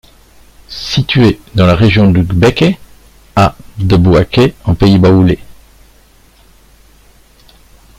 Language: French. Situé dans la région du gbeke, à de Bouaké en pays baoulé.